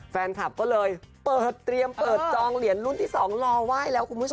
แฟนคลับก็เลยเปิดเตรียมเปิดจองเหรียญรุ่นที่๒รอไหว้แล้วคุณผู้ชม